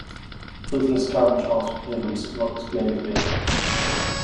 Business current transfer payments is not explained here.